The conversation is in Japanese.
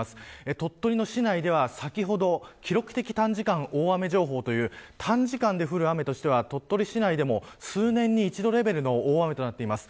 鳥取の市内では、先ほど記録的短時間大雨情報という短時間で降る雨としては鳥取市内でも数年に一度レベルの大雨となっています。